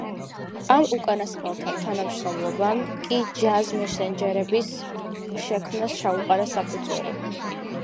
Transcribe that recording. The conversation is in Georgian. ამ უკანასკნელთან თანამშრომლობამ კი „ ჯაზ მესენჯერების“ შექმნას ჩაუყარა საფუძველი.